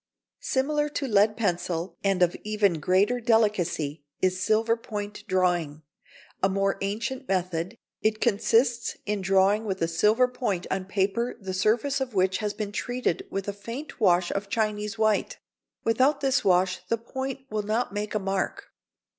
] Similar to lead pencil, and of even greater delicacy, is silver point drawing. A more ancient method, it consists in drawing with a silver point on paper the surface of which has been treated with a faint wash of Chinese white. Without this wash the point will not make a mark.